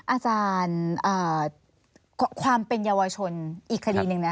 อาจารย์ความเป็นเยาวชนอีกคดีหนึ่ง